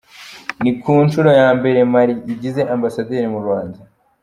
Ni ku nshuro ya mbere Mali igize Ambasaderi mu Rwanda.